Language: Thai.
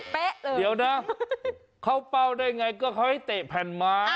เลยเดี๋ยวนะเข้าเป้าได้ไงก็เขาให้เตะแผ่นไม้